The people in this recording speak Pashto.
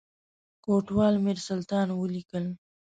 کوټوال میرسلطان ولیکل.